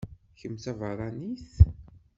Kemm d tabeṛṛanit?